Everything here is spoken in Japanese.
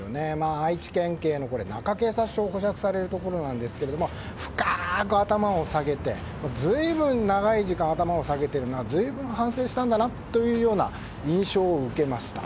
愛知県警の中警察署で保釈されるところなんですけど深く頭を下げて随分長い時間、頭を下げてるな随分反省したんだなという印象を受けました。